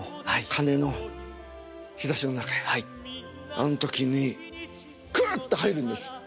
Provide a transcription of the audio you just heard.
あの時にクッと入るんです。